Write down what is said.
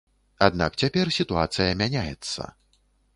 Аднак цяпер сітуацыя мяняецца.